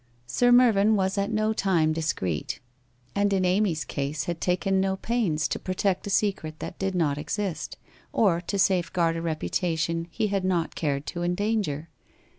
Sir Mer vyn was at no time discreet, and in Amy's case had taken no pains to protect a secret that did not exist, or to safe guard a reputation he had not cared to endanger.